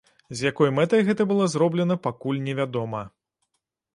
З якой мэтай гэта было зроблена, пакуль невядома.